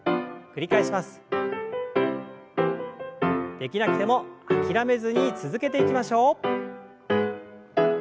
できなくても諦めずに続けていきましょう。